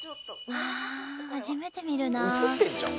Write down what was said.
初めて見るなあ。